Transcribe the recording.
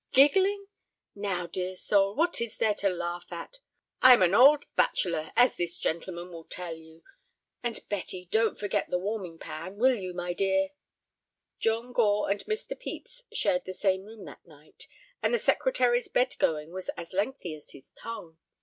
giggling? Now, dear soul, what is there to laugh at? I am an old bachelor, as this gentleman will tell you. And, Betty, don't forget the warming pan, will you, my dear?" John Gore and Mr. Pepys shared the same room that night, and the Secretary's bed going was as lengthy as his tongue.